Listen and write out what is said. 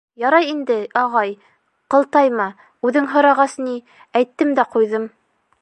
— Ярай инде, ағай, ҡылтайма, үҙең һорағас ни, әйттем дә ҡуйҙым.